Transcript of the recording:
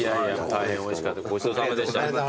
大変おいしかったごちそうさまでした。